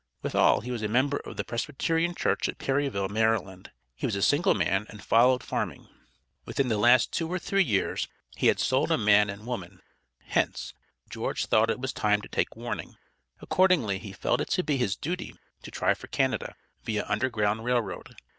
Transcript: Withal he was a member of the Presbyterian church at Perryville, Maryland; he was a single man and followed farming. Within the last two or three years, he had sold a man and woman; hence, George thought it was time to take warning. Accordingly he felt it to be his duty to try for Canada, via Underground Rail Road.